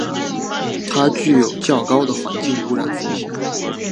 它具有较高的环境污染风险。